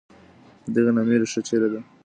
د دغي نامې ریښه چېري ده؟